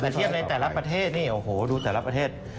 แต่เทียบในแต่ละประเทศนี่โอ้โหดูแต่ละประเทศ